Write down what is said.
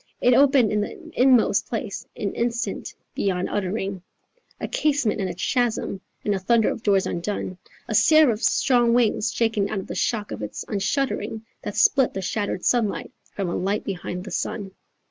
It opened in the inmost place an instant beyond uttering, A casement and a chasm and a thunder of doors undone, A seraph's strong wing shaken out the shock of its unshuttering, That split the shattered sunlight from a light behind the sun.